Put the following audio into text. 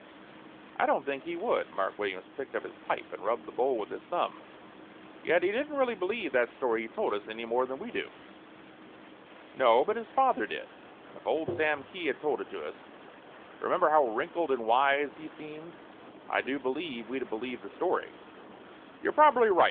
"I don't think he would." Mark Williams picked up his pipe and rubbed the bowl with his thumb. "Yet he didn't really believe that story he told us any more than we do." "No, but his father did. And if old Sam Kee had told it to us remember how wrinkled and wise he seemed? I do believe we'd have believed the story." "You're probably right."